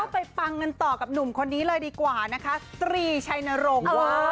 ไปปังต่อกับหนุ่มคนนี้เลยดีกว่าตรีชายนรก